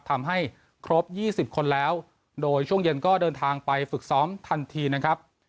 ทำให้ครบ๒๐คนแล้วโดยช่วงเย็นก็เดินทางไปฝึกซ้อมทันทีนะครับ